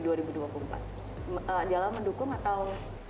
jala mendukung atau